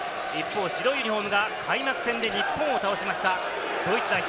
白いユニホームが開幕戦で日本を倒しましたドイツ代表。